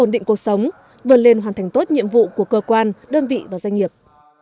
định cuộc sống vượt lên hoàn thành tốt nhiệm vụ của cơ quan đơn vị và doanh nghiệp